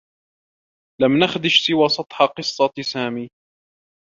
لم نخذش سوى سطح قصّة سامي.